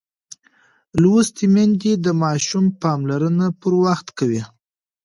لوستې میندې د ماشوم پاملرنه پر وخت کوي.